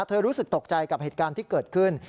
รู้สึกตกใจกับเหตุการณ์ที่เกิดขึ้น